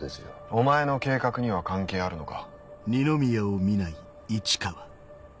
お前の計画には関係あるのか？